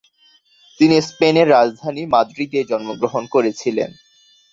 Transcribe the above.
তিনি স্পেনের রাজধানী মাদ্রিদে জন্মগ্রহণ করেছিলেন।